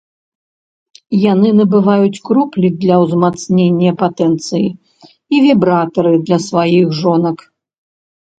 Яны набываюць кроплі для ўзмацнення патэнцыі і вібратары для сваіх жонак.